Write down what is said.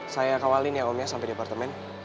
saya kawalin ya om ya sampai di apartemen